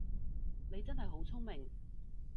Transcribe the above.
你真係好聰明